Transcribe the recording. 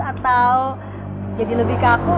atau jadi lebih kaku